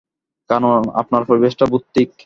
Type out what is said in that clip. কারণ, আপনার পরিবেশটা ভৌতিক।